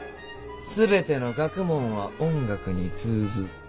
全ての学問は音楽に通ず。